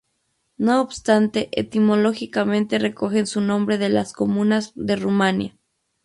No obstante, etimológicamente recogen su nombre de las comunas de Rumania.